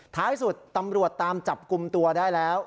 ท้ายสุดตำรวจตามจับกลุ่มตัวได้แล้ว